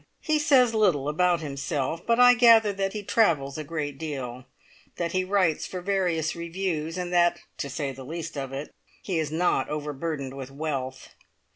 He says little about himself, but I gather that he travels a great deal, that he writes for various reviews, and that to say the least of it he is not overburdened with wealth.